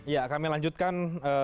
ya kami lanjutkan